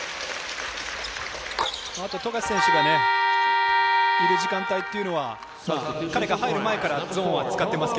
あと富樫選手がいる時間帯は彼が入る前からゾーンは使っていますが、